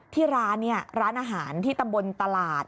ที่ร้านเนี่ยร้านอาหารที่ตำบลตลาด